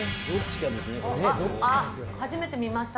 初めて見ました。